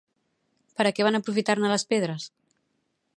Per a què van aprofitar-ne les pedres?